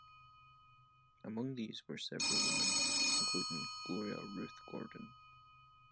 Among these were several women, including Gloria Ruth Gordon.